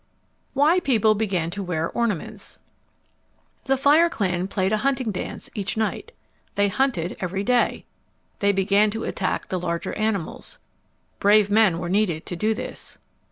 Why People Began to Wear Ornaments The fire clan played a hunting dance each night. They hunted every day. They began to attack the larger animals. Brave men were needed to do this.